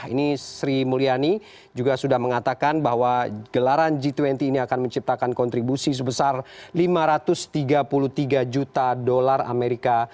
ini sri mulyani juga sudah mengatakan bahwa gelaran g dua puluh ini akan menciptakan kontribusi sebesar lima ratus tiga puluh tiga juta dolar amerika